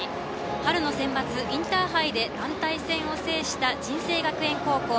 春の選抜、インターハイで団体戦を制した尽誠学園高校。